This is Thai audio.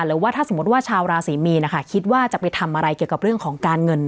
หรือว่าถ้าสมมติว่าชาวราศรีมีนนะคะคิดว่าจะไปทำอะไรเกี่ยวกับเรื่องของการเงิน